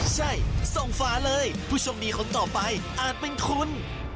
ใช่ส่งฝาเลยผู้โชคดีคนต่อไปอาจเป็นคุณ